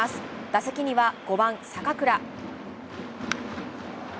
打席には５番・坂倉。